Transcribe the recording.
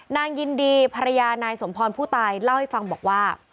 นางยินดีภรรยานายสมพรผู้ตายเล่าให้ฟังบอกว่า